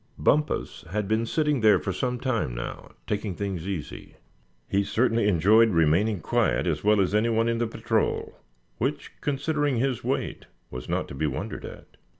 Bumpus had been sitting there for some time now, taking things easy. He certainly enjoyed remaining quiet as well as any one in the patrol, which, considering his weight, was not to be wondered at.